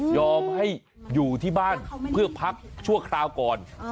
ให้อยู่ที่บ้านเพื่อพักชั่วคราวก่อน